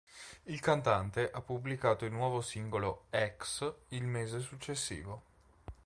Il cantante ha pubblicato il nuovo singolo "Ex" il mese successivo.